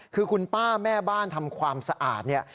คือคุณป้าแม่บ้านทำความสะอาดเนี่ย